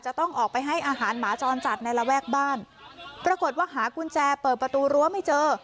จะต้องออกไปให้อาหารหมาจรจัดในระแวกบ้านปรากฏว่าหากุญแจเปิดประตูรั้วไม่เจอ